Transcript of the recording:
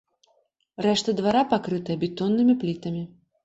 Рэшта двара пакрытая бетоннымі плітамі.